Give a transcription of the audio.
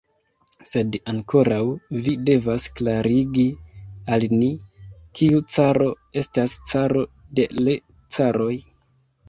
Sed ankoraŭ vi devas klarigi al ni: kiu caro estas caro de l' caroj?